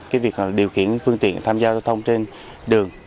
cái việc điều khiển phương tiện tham gia giao thông trên đường